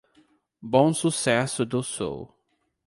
Bom Sucesso do Sul